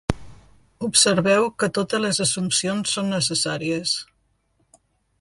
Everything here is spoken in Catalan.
Observeu que totes les assumpcions són necessàries.